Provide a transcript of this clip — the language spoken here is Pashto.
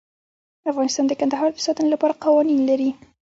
افغانستان د کندهار د ساتنې لپاره قوانین لري.